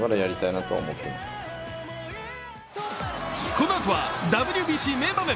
このあとは、ＷＢＣ名場面